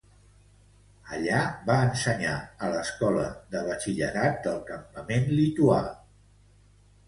Allà, va ensenyar a l'escola de batxillerat del campament lituà.